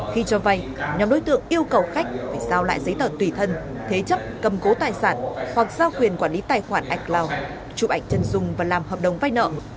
khi cho vay nhóm đối tượng yêu cầu khách phải giao lại giấy tờ tùy thân thế chấp cầm cố tài sản hoặc giao quyền quản lý tài khoản acloud chụp ảnh chân dung và làm hợp đồng vay nợ